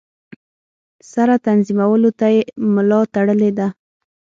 سره تنظیمولو ته یې ملا تړلې ده.